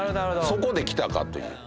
そこできたか！という。